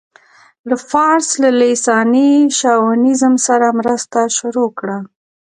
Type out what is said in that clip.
له فارس له لېساني شاونيزم سره مرسته شروع کړه.